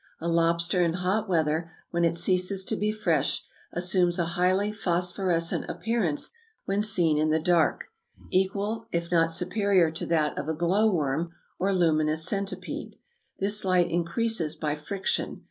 A lobster in hot weather, when it ceases to be fresh, assumes a highly phosphorescent appearance when seen in the dark, equal if not superior to that of a glow worm or luminous centipede. This light increases by friction....